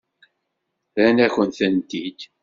Rran-akent-tent-id.